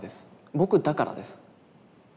僕だからです。